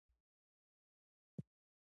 اداري حقوق د دولت او وګړو اړیکې تنظیموي.